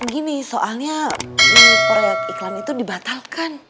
gini soalnya proyek iklan itu dibatalkan